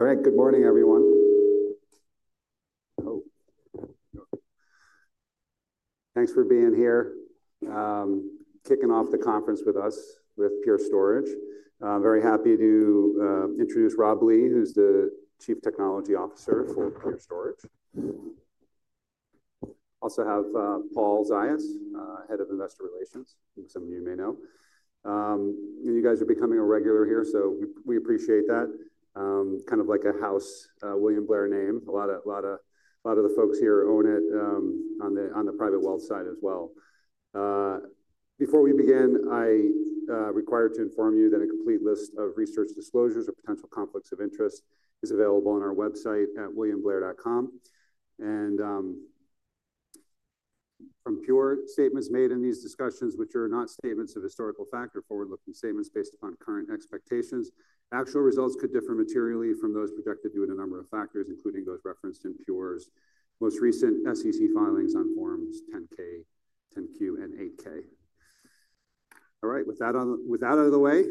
All right, good morning, everyone. Thanks for being here, kicking off the conference with us with Pure Storage. I'm very happy to introduce Rob Lee, who's the Chief Technology Officer for Pure Storage. Also have Paul Ziots, Head of Investor Relations, who some of you may know. And you guys are becoming a regular here, so we appreciate that. Kind of like a house William Blair name. A lot of the folks here own it on the private wealth side as well. Before we begin, I require to inform you that a complete list of research disclosures or potential conflicts of interest is available on our website at williamblair.com. From Pure Statements made in these discussions, which are not statements of historical fact, Forward-Looking Statements are based upon current expectations. Actual results could differ materially from those projected due to a number of factors, including those referenced in Pure's most recent SEC Filings on forms 10-K, 10-Q, and 8-K. All right, with that out of the way,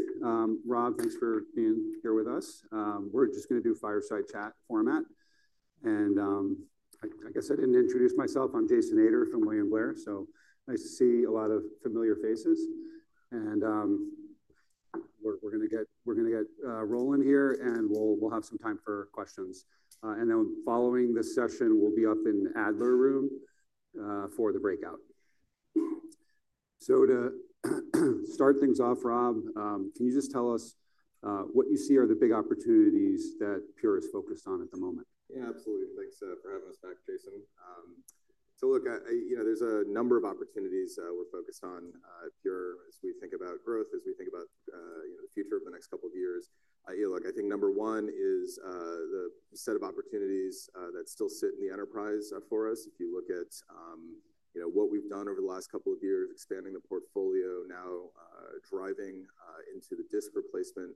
Rob, thanks for being here with us. We're just going to do Fireside Chat Format. Like I said, I didn't introduce myself. I'm Jason Ader from William Blair. Nice to see a lot of familiar faces. We're going to get rolling here, and we'll have some time for questions. Following this session, we'll be up in Adler Room for the breakout. To start things off, Rob, can you just tell us what you see are the big opportunities that Pure is focused on at the moment? Yeah, absolutely. Thanks for having us back, Jason. Look, there's a number of opportunities we're focused on at Pure as we think about growth, as we think about the future of the next couple of years. I think number one is the set of opportunities that still sit in the enterprise for us. If you look at what we've done over the last couple of years, expanding the portfolio, now driving into the disk replacement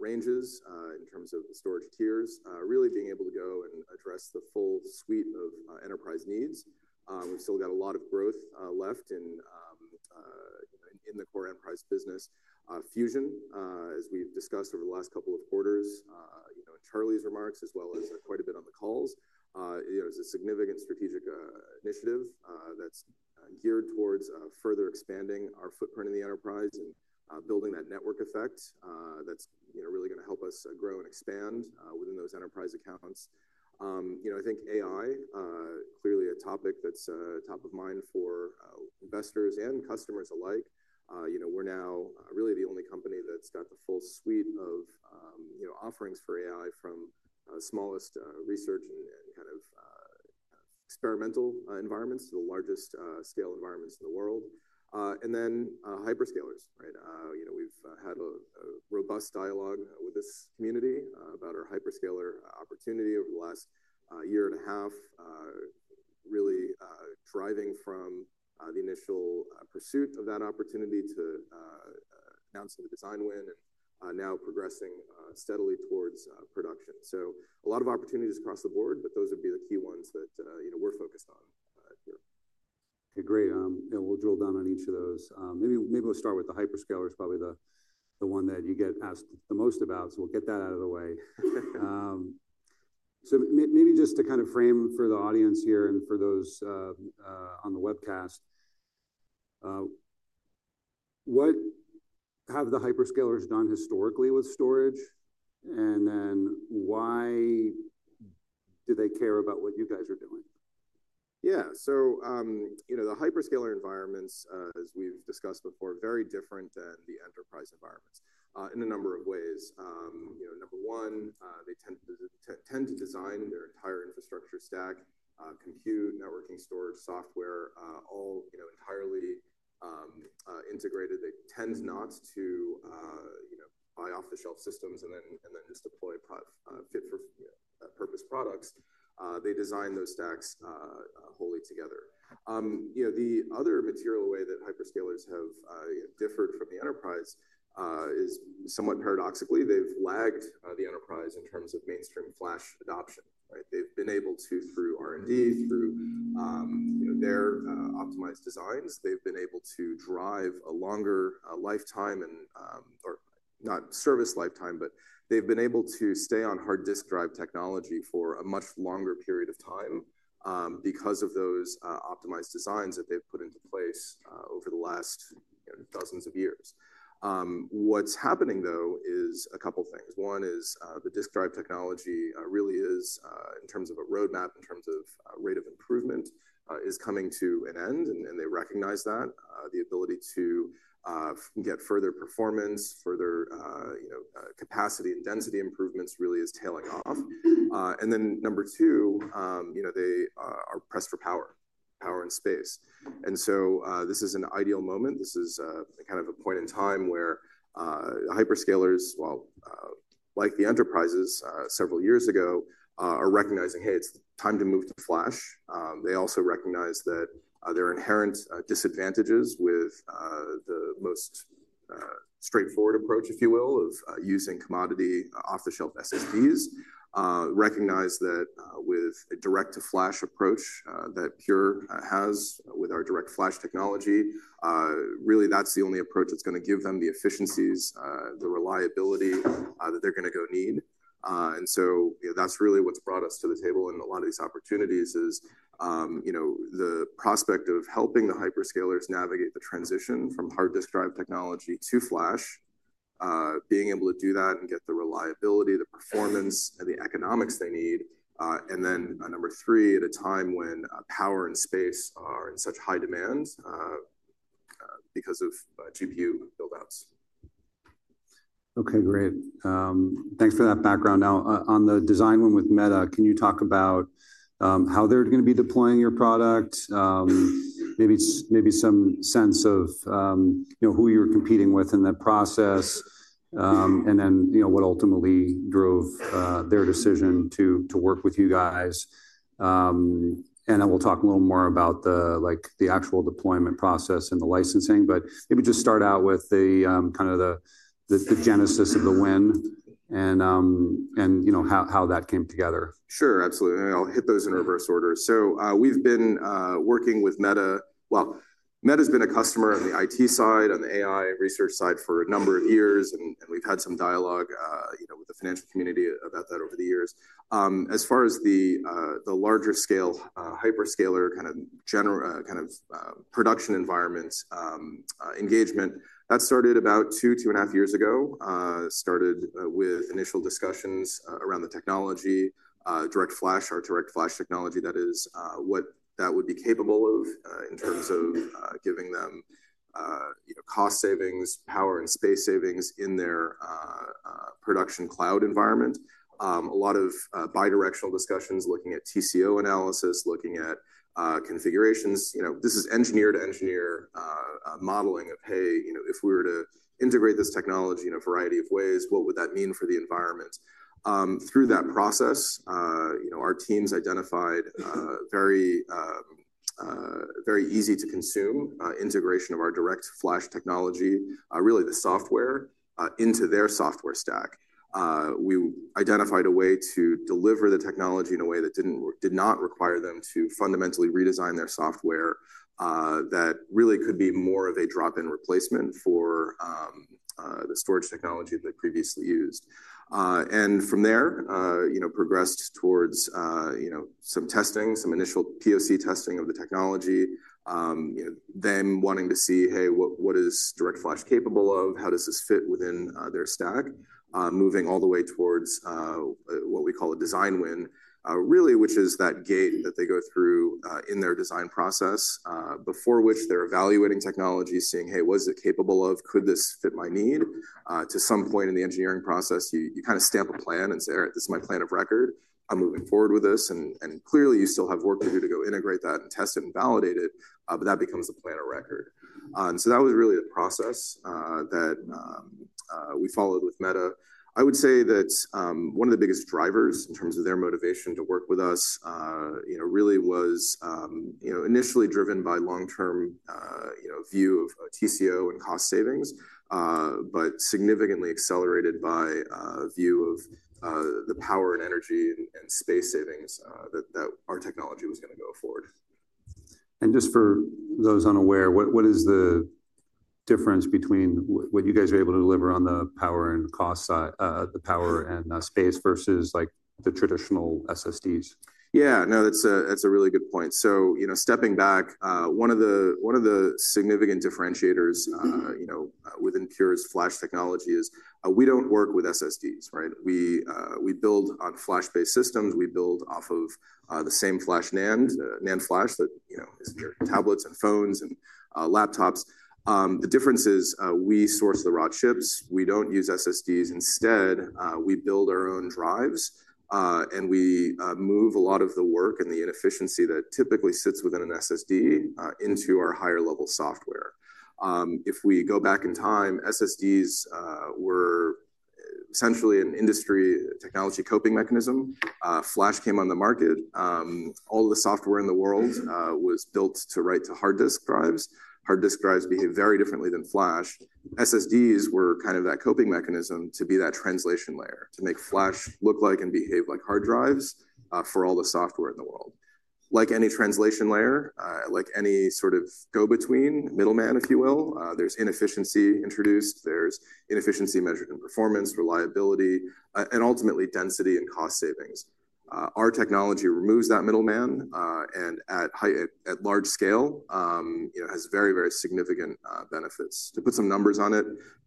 ranges in terms of the storage tiers, really being able to go and address the full suite of enterprise needs. We've still got a lot of growth left in the core enterprise business Fusion. As we've discussed over the last couple of quarters, in Charlie's Remarks, as well as quite a bit on the calls, is a significant StrategicInitiative that's geared towards further expanding our footprint in the enterprise and building that network effect that's really going to help us grow and expand within those Enterprise Accounts. I think AI, clearly a topic that's top of mind for Investors and Customers alike. We're now really the only company that's got the Full Suite of Offerings for AI, from smallest research and kind of Experimental Environments to the largest Scale Environments in the world. Hyperscalers, right? We've had a robust dialogue with this community about our Hyperscaler opportunity over the last year and a half, really driving from the initial pursuit of that opportunity to announcing the design win and now progressing steadily towards production. A lot of opportunities across the board, but those would be the key ones that we're focused on here. Okay, great. We'll drill down on each of those. Maybe we'll start with the Hyperscalers, probably the one that you get asked the most about. We'll get that out of the way. Maybe just to kind of frame for the audience here and for those on the webcast, what have the Hyperscalers done historically with storage? Why do they care about what you guys are doing? Yeah, so the hyperscaler environments, as we've discussed before, are very different than the enterprise environments in a number of ways. Number one, they tend to design their entire Infrastructure Stack, Compute, Networking, Storage, Software, all entirely integrated. They tend not to buy off-the-shelf systems and then just deploy fit-for-purpose products. They design those stacks wholly together. The other material way that Hyperscalers have differed from the Enterprise is somewhat paradoxically, they've lagged the enterprise in terms of mainstream Flash adoption. They've been able to, through R&D, through their optimized designs, they've been able to drive a longer lifetime and, or not service lifetime, but they've been able to stay on Hard Disk Drive Technology for a much longer period of time because of those optimized designs that they've put into place over the last dozens of years. What's happening, though, is a couple of things. One is the Disk Drive Technology really is, in terms of a Roadmap, in terms of Rate of Improvement, is coming to an end, and they recognize that. The ability to get further performance, further Capacity and Density Improvements really is tailing off. Number two, they are pressed for power, power and space. This is an ideal moment. This is kind of a point in time where Hyperscalers, while like the enterprises several years ago, are recognizing, hey, it's time to move to Flash. They also recognize that there are inherent disadvantages with the most straightforward approach, if you will, of using Commodity off-the-shelf SSDs. Recognize that with a direct-to-Flash approach that Pure has with our Direct Flash Technology, really that's the only approach that's going to give them the efficiencies, the reliability that they're going to go need. That is really what has brought us to the table in a lot of these opportunities, the prospect of helping the Hyperscalers navigate the transition from Hard Disk Drive Technology to Flash, being able to do that and get the reliability, the performance, and the economics they need. Number three, at a time when power and space are in such high demand because of GPU Buildouts. Okay, great. Thanks for that background. Now, on the design win with Meta, can you talk about how they're going to be deploying your product? Maybe some sense of who you're competing with in that process and then what ultimately drove their decision to work with you guys. We'll talk a little more about the actual Deployment Process and the Licensing, but maybe just start out with kind of the genesis of the win and how that came together. Sure, absolutely. I'll hit those in reverse order. We've been working with Meta. Meta has been a customer on the IT Side, on the AI Research side for a number of years, and we've had some dialogue with the Financial Community about that over the years. As far as the larger scale Hyperscaler kind of Production Environment Engagement, that started about two, two and a half years ago. Started with initial discussions around the technology, DirectFlash, our DirectFlash Technology, that is what that would be capable of in terms of giving them Cost Savings, Power and Space Savings in their Production Cloud Environment. A lot of Bidirectional discussions looking at TCO Analysis, looking at Configurations. This is Engineer-to-Engineer Modeling of, hey, if we were to integrate this technology in a variety of ways, what would that mean for the environment? Through that process, our teams identified very easy-to-consume integration of our DirectFlash Technology, really the software, into their Software Stack. We identified a way to deliver the technology in a way that did not require them to fundamentally redesign their software that really could be more of a drop-in replacement for the Storage Technology they previously used. From there, progressed towards some testing, some initial POC Testing of the technology, them wanting to see, hey, what is DirectFlash capable of? How does this fit within their stack? Moving all the way towards what we call a design win, really, which is that gate that they go through in their design process, before which they're evaluating technology, seeing, hey, what is it capable of? Could this fit my need? To some point in the Engineering Process, you kind of stamp a plan and say, all right, this is my plan of record. I'm moving forward with this. You still have work to do to go integrate that and test it and validate it, but that becomes the plan of record. That was really the process that we followed with Meta. I would say that one of the biggest drivers in terms of their motivation to work with us really was initially driven by a long-term view of TCO and Cost Savings, but significantly accelerated by a view of the Power and Energy and Space Savings that our technology was going to go forward. Just for those unaware, what is the difference between what you guys are able to deliver on the Power and Cost Side, the power and space versus the traditional SSDs? Yeah, no, that's a really good point. Stepping back, one of the significant differentiators within Pure's Flash Technology is we don't work with SSDs, right? We build on Flash-based Systems. We build off of the same NAND Flash that is in your Tablets and Phones and Laptops. The difference is we source the Raw Chips. We don't use SSDs. Instead, we build our own Drives, and we move a lot of the work and the inefficiency that typically sits within an SSD into our higher-level Software. If we go back in time, SSDs were essentially an Industry Technology coping Mechanism. Flash came on the Market. All of the software in the world was built to write to Hard Disk Drives. Hard Disk Drives behave very differently than Flash. SSDs were kind of that coping mechanism to be that translation layer to make Flash look like and behave like Hard Drives for all the software in the world. Like any translation layer, like any sort of go-between middleman, if you will, there's inefficiency introduced. There's inefficiency measured in Performance, Reliability, and ultimately Density and Cost Savings. Our technology removes that middleman and at large scale has very, very significant benefits. To put some numbers on it,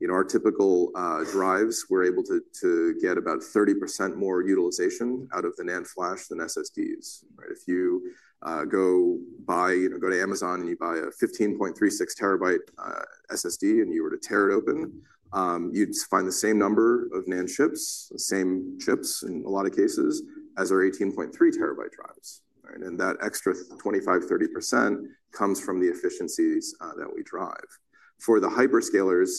our typical drives, we're able to get about 30% more utilization out of the NAND Flash than SSDs. If you go to Amazon and you buy a 15.36 TB SSD and you were to tear it open, you'd find the same number of NAND Chips, same chips in a lot of cases, as our 18.3 TB drives. And that extra 25%, 30% comes from the efficiencies that we drive. For the Hyperscalers,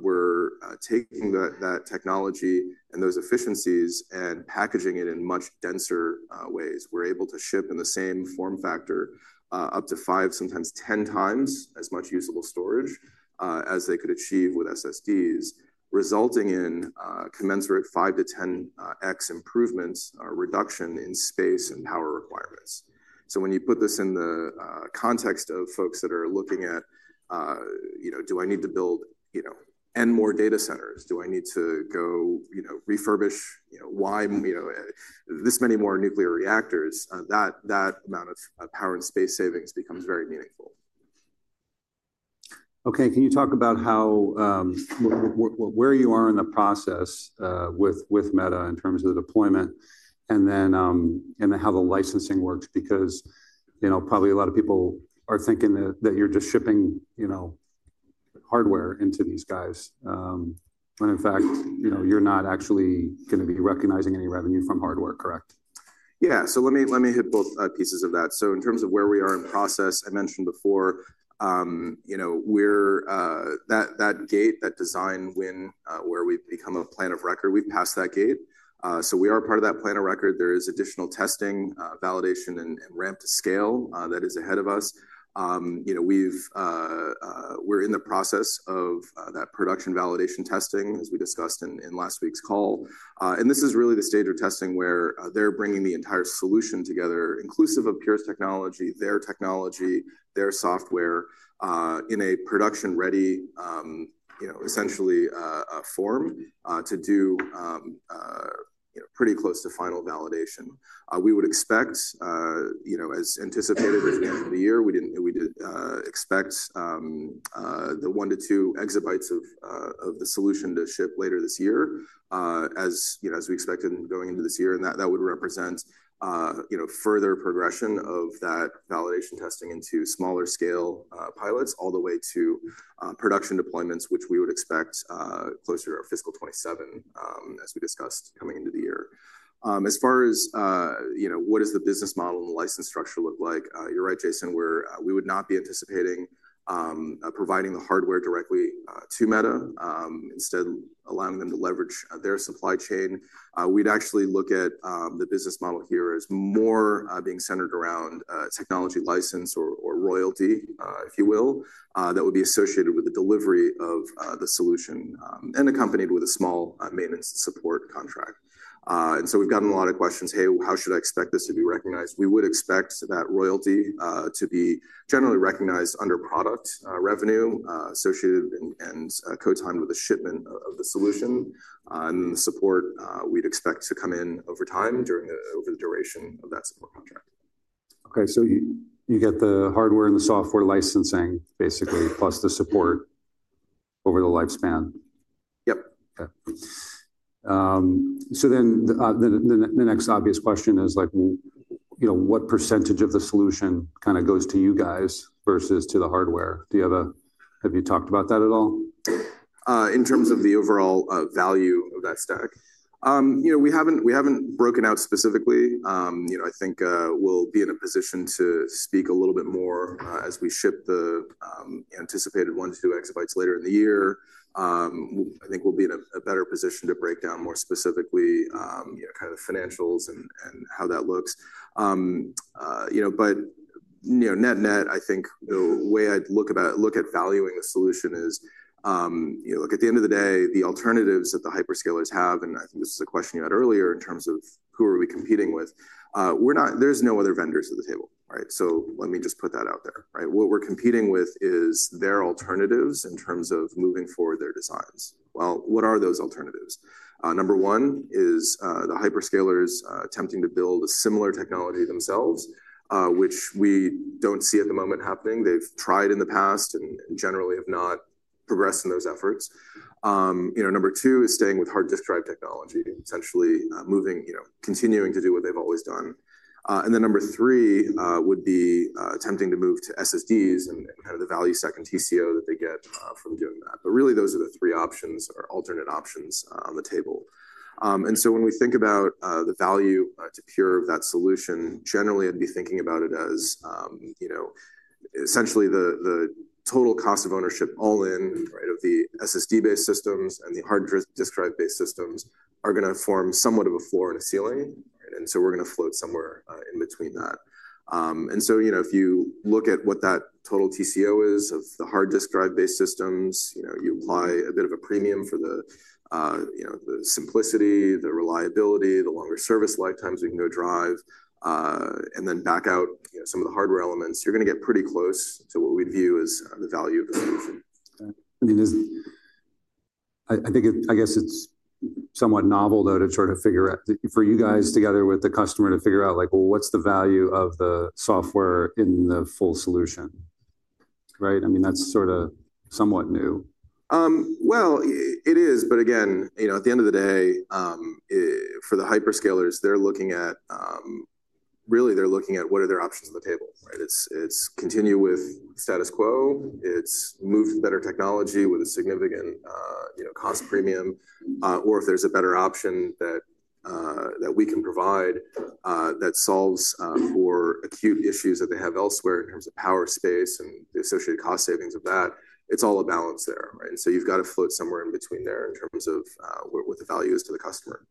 we're taking that technology and those efficiencies and packaging it in much denser ways. We're able to ship in the same form factor up to five, sometimes 10 times as much usable storage as they could achieve with SSDs, resulting in commensurate 5-10x improvements, reduction in space and power requirements. When you put this in the context of folks that are looking at, do I need to build N more Data Centers? Do I need to go refurbish this many more Nuclear Reactors? That amount of power and space savings becomes very meaningful. Okay, can you talk about where you are in the process with Meta in terms of the deployment and then how the Licensing works? Because probably a lot of people are thinking that you're just shipping Hardware into these guys. And in fact, you're not actually going to be recognizing any revenue from Hardware, correct? Yeah, let me hit both pieces of that. In terms of where we are in process, I mentioned before, that gate, that design win where we become a plan of record, we've passed that gate. We are part of that plan of record. There is additional Testing, Validation, and Ramp to Scale that is ahead of us. We're in the process of that Production Validation Testing, as we discussed in last week's call. This is really the stage of testing where they're bringing the entire solution together, inclusive of Pure's Technology, their technology, their software in a production-ready, essentially form to do pretty close to Final Validation. We would expect, as anticipated at the end of the year, we didn't expect the one to two exabytes of the solution to ship later this year, as we expected going into this year. That would represent further progression of that Validation Testing into smaller scale pilots all the way to production deployments, which we would expect closer to our fiscal 2027, as we discussed coming into the year. As far as what does the business model and the license structure look like, you're right, Jason, we would not be anticipating providing the Hardware directly to Meta. Instead, allowing them to leverage their Supply Chain. We'd actually look at the Business Model here as more being centered around Technology License or Royalty, if you will, that would be associated with the delivery of the solution and accompanied with a small maintenance support contract. We've gotten a lot of questions, hey, how should I expect this to be recognized? We would expect that royalty to be generally recognized under product revenue associated and co-timed with the shipment of the solution. The support we'd expect to come in over time over the duration of that support contract. Okay, so you get the Hardware and the Software Licensing, basically, plus the support over the lifespan. Yep. Okay. So then the next obvious question is, what percentage of the solution kind of goes to you guys versus to the Hardware? Have you talked about that at all? In terms of the overall value of that Stack? We haven't broken out specifically. I think we'll be in a position to speak a little bit more as we ship the anticipated one to two exabytes later in the year. I think we'll be in a better position to break down more specifically kind of the financials and how that looks. Net-net, I think the way I'd look at valuing the solution is, look, at the end of the day, the alternatives that the Hyperscalers have, and I think this is a question you had earlier in terms of who are we competing with, there's no other vendors at the table, right? Let me just put that out there, right? What we're competing with is their alternatives in terms of moving forward their designs. What are those alternatives? Number one is the Hyperscalers attempting to build a similar technology themselves, which we do not see at the moment happening. They have tried in the past and generally have not progressed in those efforts. Number two is staying with Hard Disk Drive Technology, essentially continuing to do what they have always done. Number three would be attempting to move to SSDs and kind of the value second TCO that they get from doing that. Really, those are the three options or alternate options on the table. When we think about the value to Pure of that solution, generally, I would be thinking about it as essentially the Total Cost of Qwnership all in of the SSD-based Systems and the Hard Disk Drive-based Systems are going to form somewhat of a floor and a ceiling. We are going to float somewhere in between that. If you look at what that total TCO is of the Hard Disk Drive-based Systems, you apply a bit of a premium for the simplicity, the reliability, the longer service lifetimes we can go drive, and then back out some of the Hardware Elements, you're going to get pretty close to what we'd view as the value of the solution. I mean, I guess it's somewhat novel though to sort of figure out for you guys together with the customer to figure out what's the value of the software in the full solution, right? I mean, that's sort of somewhat new. At the end of the day, for the Hyperscalers, they're looking at really, they're looking at what are their options on the table, right? It's continue with status quo. It's move to better technology with a significant cost premium. Or if there's a better option that we can provide that solves for acute issues that they have elsewhere in terms of power, space, and the associated Cost Savings of that, it's all a balance there, right? You've got to float somewhere in between there in terms of what the value is to the customer.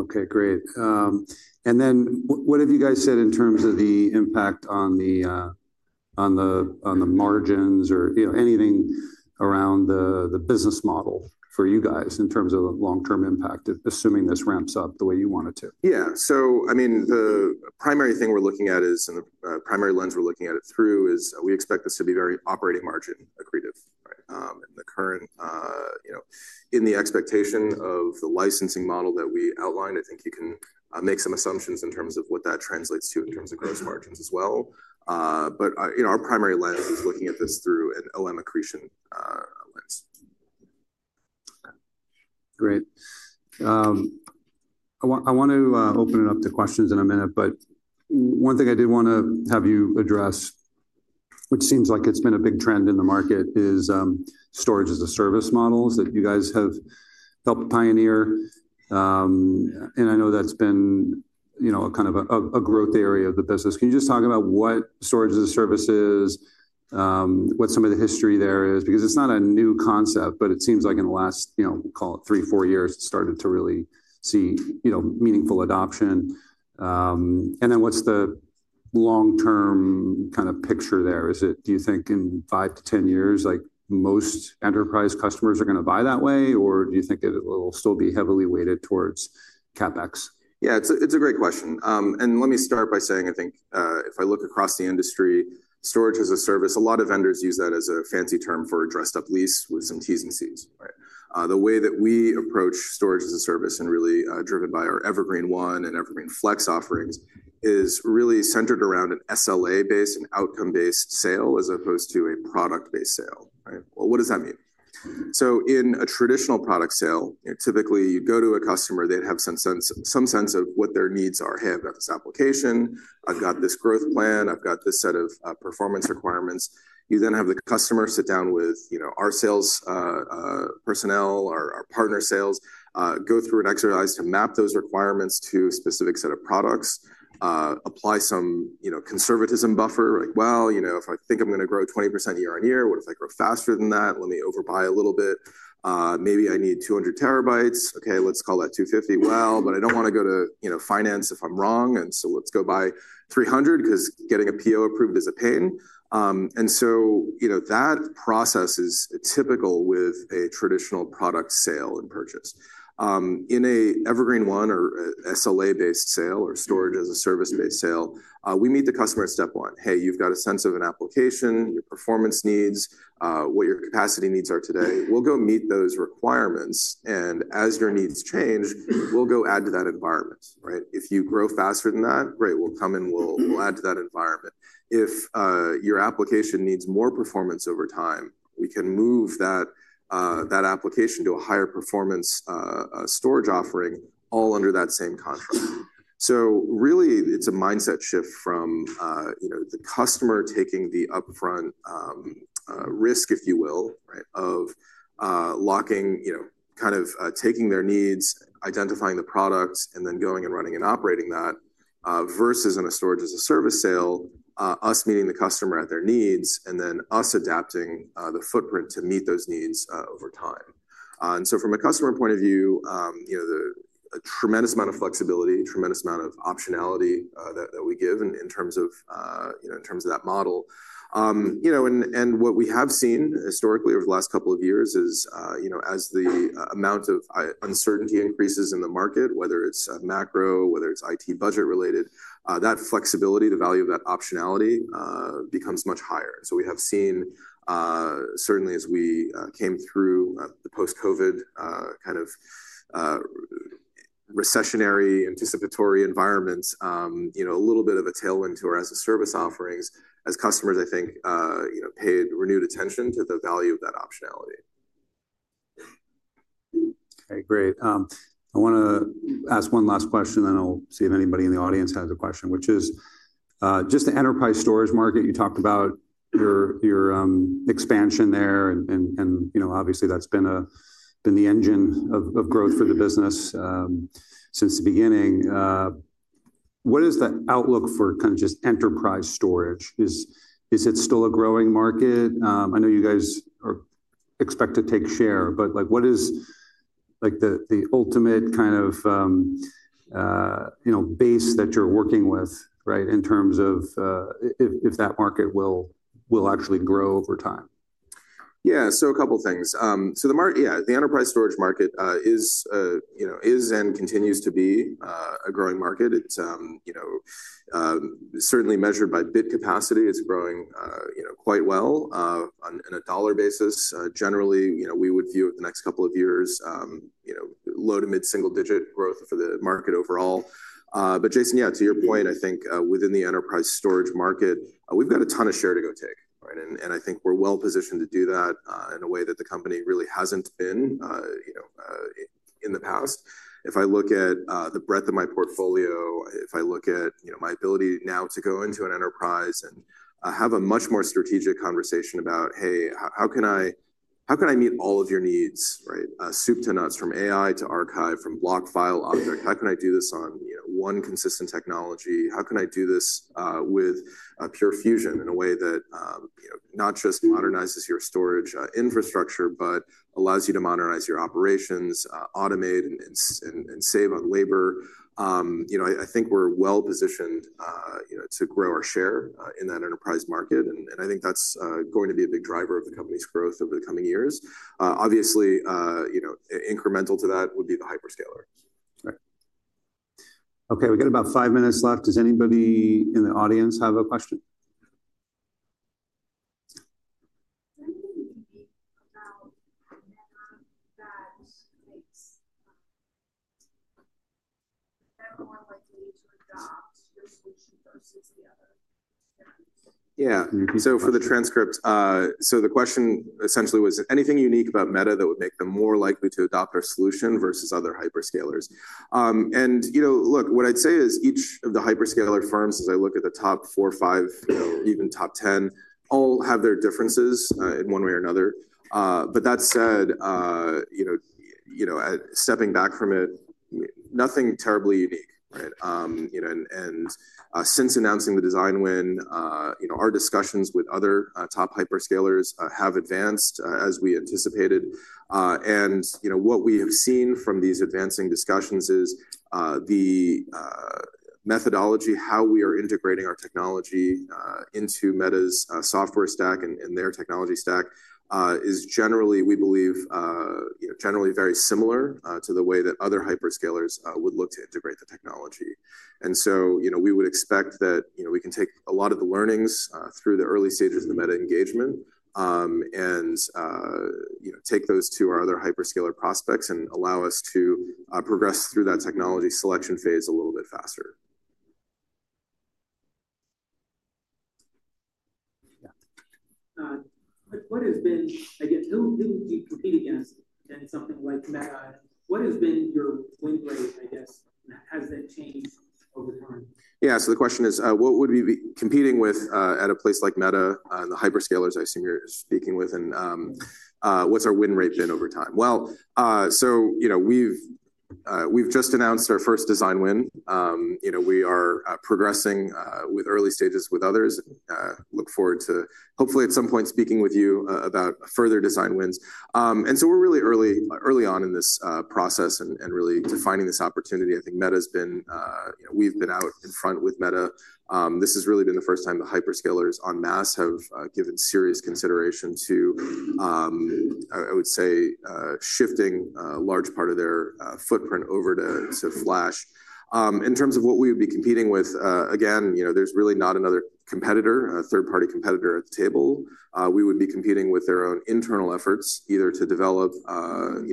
Okay, great. What have you guys said in terms of the impact on the margins or anything around the business model for you guys in terms of the long-term impact, assuming this ramps up the way you want it to? Yeah. So I mean, the primary thing we're looking at is, and the primary lens we're looking at it through is, we expect this to be very Operating Margin accretive, right? In the expectation of the Licensing Model that we outlined, I think you can make some assumptions in terms of what that translates to in terms of Gross Margins as well. But our primary lens is looking at this through an OM accretion lens. Great. I want to open it up to questions in a minute, but one thing I did want to have you address, which seems like it's been a big trend in the market, is Storage as a Service Models that you guys have helped pioneer. I know that's been kind of a growth area of the business. Can you just talk about what Storage as a Service is, what some of the history there is? Because it's not a new concept, but it seems like in the last, we'll call it three, four years, it started to really see meaningful adoption. What's the long-term kind of picture there? Do you think in five to ten years, most enterprise customers are going to buy that way, or do you think it will still be heavily weighted towards CapEx? Yeah, it's a great question. Let me start by saying, I think if I look across the industry, storage as a service, a lot of vendors use that as a fancy term for a dressed-up lease with some teasing C's, right? The way that we approach Storage as a Service and really driven by our Evergreen//One and Evergreen Flex offerings is really centered around an SLA-based and Outcome-based Sale as opposed to a Product-based Sale, right? What does that mean? In a traditional product sale, typically you go to a customer, they'd have some sense of what their needs are. Hey, I've got this application. I've got this growth plan. I've got this set of performance requirements. You then have the customer sit down with our Sales Personnel, our Partner Sales, go through an exercise to map those requirements to a specific set of products, apply some conservatism buffer, like, well, if I think I'm going to grow 20% year on year, what if I grow faster than that? Let me overbuy a little bit. Maybe I need 200 TB. Okay, let's call that 250. Well, but I don't want to go to finance if I'm wrong. And so let's go buy 300 because getting a PO approved is a pain. That process is typical with a traditional Product Sale and Purchase. In an Evergreen//One or SLA-based sale or Storage as a Service-based Sale, we meet the customer at step one. Hey, you've got a sense of an application, your performance needs, what your capacity needs are today. We'll go meet those requirements. As your needs change, we'll go add to that environment, right? If you grow faster than that, great, we'll come and we'll add to that environment. If your application needs more performance over time, we can move that application to a higher Performance Storage offering all under that same contract. It is really a mindset shift from the customer taking the upfront risk, if you will, of locking, kind of taking their needs, identifying the products, and then going and running and operating that versus in a storage as a service sale, us meeting the customer at their needs, and then us adapting the footprint to meet those needs over time. From a customer point of view, a tremendous amount of flexibility, tremendous amount of optionality that we give in terms of that model. What we have seen historically over the last couple of years is as the amount of uncertainty increases in the market, whether it is macro, whether it is IT Budget related, that flexibility, the value of that optionality becomes much higher. We have seen, certainly as we came through the post-COVID kind of recessionary anticipatory environments, a little bit of a tailwind to our as a service offerings. As customers, I think, paid renewed attention to the value of that optionality. Okay, great. I want to ask one last question, then I'll see if anybody in the audience has a question, which is just the enterprise storage market. You talked about your expansion there, and obviously that's been the engine of growth for the business since the beginning. What is the outlook for kind of just enterprise storage? Is it still a growing market? I know you guys expect to take share, but what is the ultimate kind of base that you're working with, right, in terms of if that market will actually grow over time? Yeah, so a couple of things. Yeah, the enterprise storage market is and continues to be a growing market. It's certainly measured by bit capacity. It's growing quite well on a dollar basis. Generally, we would view it the next couple of years, low to mid-single digit growth for the market overall. Jason, to your point, I think within the enterprise storage market, we've got a ton of share to go take, right? I think we're well positioned to do that in a way that the company really hasn't been in the past. If I look at the breadth of my portfolio, if I look at my ability now to go into an enterprise and have a much more strategic conversation about, hey, how can I meet all of your needs, right? Soup to Nuts from AI to Archive from block file object. How can I do this on one consistent technology? How can I do this with Pure Fusion in a way that not just modernizes your storage infrastructure, but allows you to modernize your operations, automate and save on labor? I think we're well positioned to grow our share in that enterprise market. I think that's going to be a big driver of the company's growth over the coming years. Obviously, incremental to that would be the Hyperscaler. Okay, we've got about five minutes left. Does anybody in the audience have a question? Yeah. So for the transcript, so the question essentially was, is there anything unique about Meta that would make them more likely to adopt our solution versus other Hyperscalers? And look, what I'd say is each of the hyperscaler firms, as I look at the top four, five, even top ten, all have their differences in one way or another. That said, stepping back from it, nothing terribly unique, right? Since announcing the design win, our discussions with other top Hyperscalers have advanced as we anticipated. What we have seen from these advancing discussions is the methodology, how we are integrating our technology into Meta's Software Stack and their Technology Stack is generally, we believe, generally very similar to the way that other Hyperscalers would look to integrate the technology. We would expect that we can take a lot of the learnings through the early stages of the Meta engagement and take those to our other Hyperscaler prospects and allow us to progress through that Technology Selection phase a little bit faster. What has been, I guess, who do you compete against in something like Meta? What has been your win rate, I guess? Has that changed over time? Yeah. The question is, what would we be competing with at a place like Meta and the Hyperscalers I seem here speaking with? What's our Win Rate been over time? We have just announced our first design win. We are progressing with early stages with others. Look forward to hopefully at some point speaking with you about further design wins. We are really early on in this process and really defining this opportunity. I think Meta has been, we have been out in front with Meta. This has really been the first time the Hyperscalers en masse have given serious consideration to, I would say, shifting a large part of their footprint over to Flash. In terms of what we would be competing with, again, there is really not another competitor, a third-party competitor at the table. We would be competing with their own internal efforts, either to develop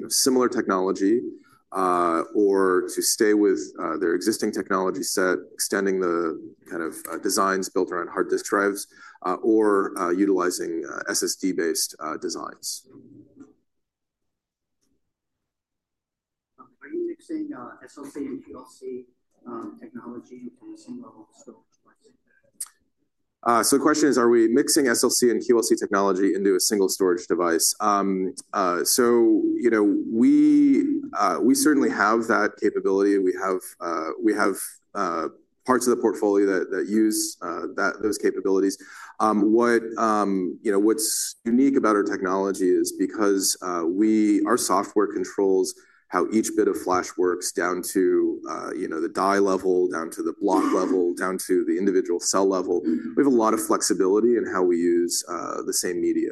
similar technology or to stay with their existing technology set, extending the kind of designs built around Hard Disk Drives or utilizing SSD-based designs. Are you mixing SLC and QLC Technology into a Single Storage Sevice? The question is, are we mixing SLC and QLC technology into a single storage device? We certainly have that capability. We have parts of the portfolio that use those capabilities. What's unique about our technology is because our software controls how each bit of Flash works down to the die level, down to the block level, down to the individual cell level. We have a lot of flexibility in how we use the same media.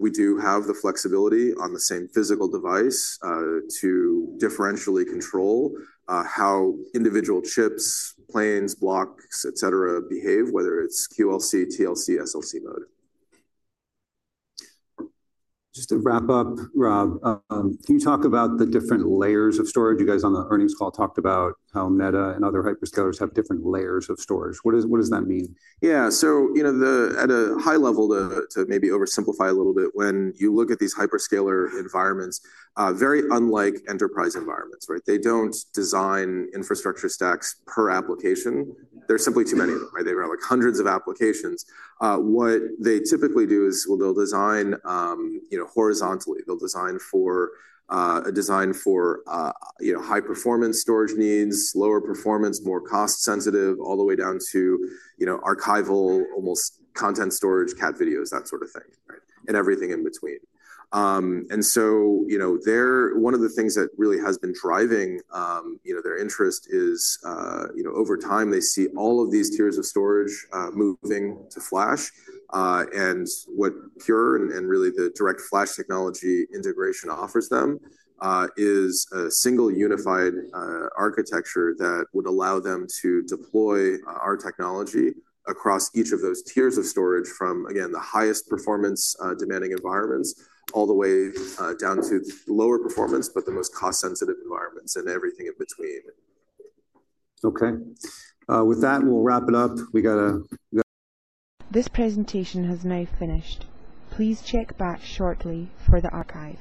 We do have the flexibility on the same physical device to differentially control how individual Chips, Planes, Blocks, et cetera, behave, whether it's QLC, TLC, SLC mode. Just to wrap up, Rob, can you talk about the different layers of storage? You guys on the earnings call talked about how Meta and other Hyperscalers have different layers of storage. What does that mean? Yeah. At a high level, to maybe oversimplify a little bit, when you look at these Hyperscaler environments, very unlike enterprise environments, right? They do not design infrastructure stacks per application. There are simply too many of them, right? They have got like hundreds of applications. What they typically do is they will design horizontally. They will design for high performance storage needs, lower performance, more cost sensitive, all the way down to archival, almost content storage, cat videos, that sort of thing, right? Everything in between. One of the things that really has been driving their interest is over time, they see all of these tiers of storage moving to Flash. What Pure and really the DirectFlash Technology integration offers them is a single unified architecture that would allow them to deploy our technology across each of those tiers of storage from, again, the highest performance demanding environments all the way down to lower performance, but the most cost sensitive environments and everything in between. Okay. With that, we'll wrap it up. We got a. This presentation has now finished. Please check back shortly for the archive.